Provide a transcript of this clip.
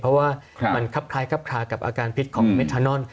เพราะว่ามันคล้ายกับอาการผิดของเมทานนอน